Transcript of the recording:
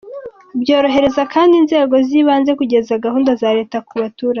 Byorohereza kandi inzego z’ibanze kugeza gahunda za Leta ku baturage”.